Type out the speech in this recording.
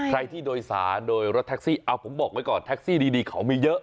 ใครที่โดยสารโดยรถแท็กซี่เอาผมบอกไว้ก่อนแท็กซี่ดีเขามีเยอะ